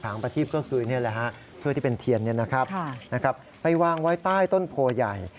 ผลังประทีปก็คือเที่ยวที่เป็นเทียมไปวางไว้ใต้ต้นโผล่ใหญ่